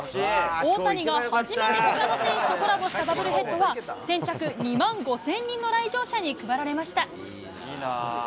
大谷が初めてほかの選手とコラボしたバブルヘッドは、先着２万５０００人の来場者に配られました。